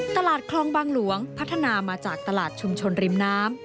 ตลาดคลองบางหลวงพัฒนามาจากตลาดชุมชนริมน้ำ